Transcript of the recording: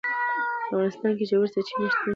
په افغانستان کې ژورې سرچینې شتون لري.